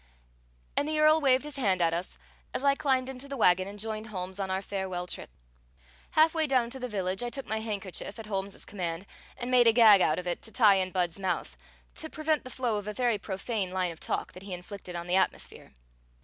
And the Earl waved his hand at us, as I climbed into the wagon and joined Holmes on our farewell trip. Halfway down to the village, I took my handkerchief, at Holmes's command, and made a gag out of it to tie in Budd's mouth, to prevent the flow of a very profane line of talk that he inflicted on the atmosphere.